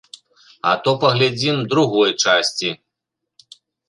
А то паглядзім другой часці.